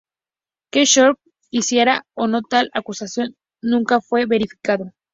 Que Sharp hiciera o no tal acusación nunca fue verificado.